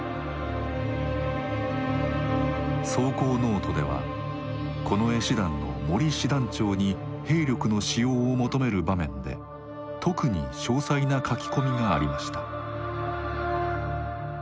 草稿ノートでは近衛師団の森師団長に兵力の使用を求める場面で特に詳細な書き込みがありました。